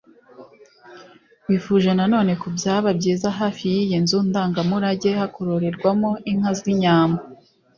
Bifuje na none ko byaba byiza hafi y’iyi nzu ndangamurage hakororerwa inka z’inyambo